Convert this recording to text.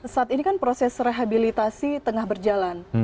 saat ini kan proses rehabilitasi tengah berjalan